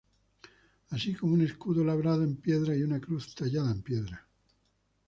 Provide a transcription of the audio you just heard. Así como un escudo labrado en piedra y una cruz tallada en piedra.